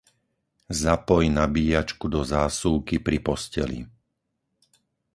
Zapoj nabíjačku do zásuvky pri posteli.